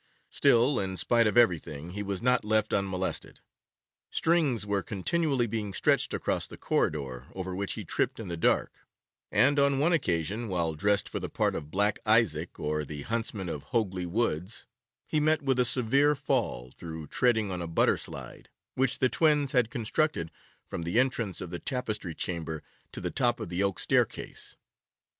Still, in spite of everything, he was not left unmolested. Strings were continually being stretched across the corridor, over which he tripped in the dark, and on one occasion, while dressed for the part of 'Black Isaac, or the Huntsman of Hogley Woods,' he met with a severe fall, through treading on a butter slide, which the twins had constructed from the entrance of the Tapestry Chamber to the top of the oak staircase.